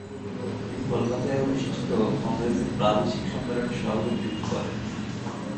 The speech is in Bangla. তিনি কলকাতায় অনুষ্ঠিত কংগ্রেসের প্রাদেশিক সম্মেলনের সভাপতিত্ব করেন।